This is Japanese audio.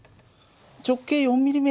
直径４ｍｍ